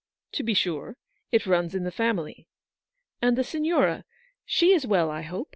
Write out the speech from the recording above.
" To be sure ; it runs in the family." " And the Signora, she is well, I hope